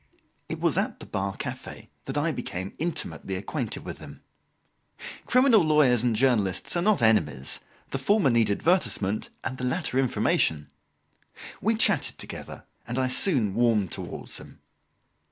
It was at the Bar cafe that I became intimately acquainted with him. Criminal lawyers and journalists are not enemies, the former need advertisement, the latter information. We chatted together, and I soon warmed towards him.